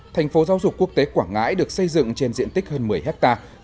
tp giao dục quốc tế quảng ngãi được xây dựng trên diện tích hơn một mươi hectare